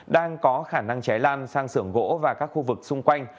đang có khả năng cháy lan sang sưởng gỗ và các khu vực xung quanh